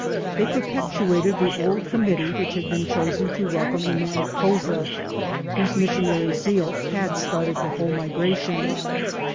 They per petuated the old committee which had been chosen to welcome the man Couza, whose missionary zeal had started the whole migration.